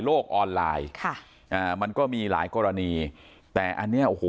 ออนไลน์ค่ะอ่ามันก็มีหลายกรณีแต่อันเนี้ยโอ้โห